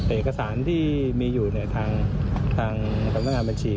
เอกสารที่มีอยู่ในทางการบังคับการบัญชี